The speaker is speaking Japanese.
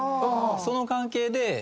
その関係で。